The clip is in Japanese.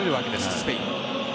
スペイン。